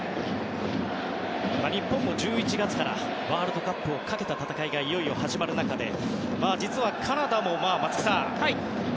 日本も１１月からワールドカップをかけた戦いがいよいよ始まる中で実はカナダも松木さん